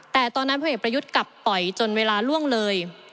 แต่ตอนนั้นพลเอกประยุทธ์กลับปล่อยจนเวลาล่วงเลย